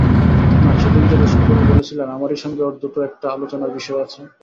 না, সেদিন যে রসিকবাবু বলছিলেন আমারই সঙ্গে ওঁর দুটো-একটা আলোচনার বিষয় আছে।